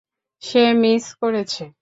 সে miss করেছে!